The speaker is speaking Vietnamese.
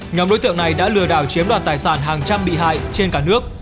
nhóm đối tượng này đã lừa đảo chiếm đoạt tài sản hàng trăm bị hại trên cả nước